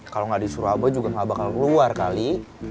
kalau gak di surabaya juga gak bakal keluar kali